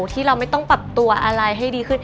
ที่เราไม่ต้องปรับตัวอะไรให้ดีขึ้น